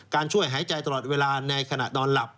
ช่วยหายใจตลอดเวลาในขณะนอนหลับ